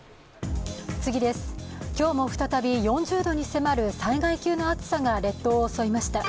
今日も再び、４０度に迫る災害級の暑さが列島を襲いました。